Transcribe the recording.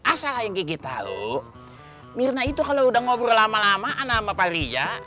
asal ayang kiki tahu mirna itu kalau udah ngobrol lama lama sama pak riza